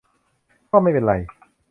ก็ไม่เป็นไร